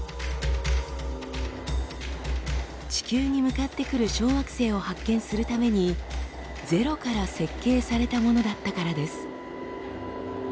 地球に向かってくる小惑星を発見するためにゼロから設計されたものだったからです。